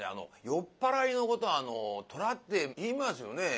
酔っ払いのことを「虎」って言いますよね？